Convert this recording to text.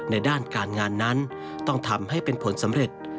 ด้านการงานนั้นต้องทำให้เป็นผลสำเร็จ